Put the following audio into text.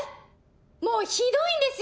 もうひどいんですよ